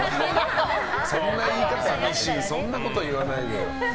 そんなこと言わないでよ。